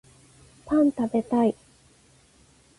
パン食べたい